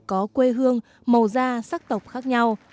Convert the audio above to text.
có quê hương màu da sắc tộc khác nhau